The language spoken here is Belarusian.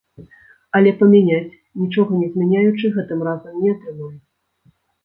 Але памяняць, нічога не змяняючы, гэтым разам не атрымаецца.